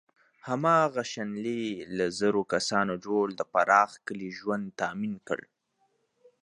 هماغه شنیلي له زرو کسانو جوړ د پراخ کلي ژوند تأمین کړ.